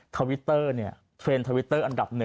เทวิตเตอร์เนี่ยเทวิตเตอร์อันดับนึง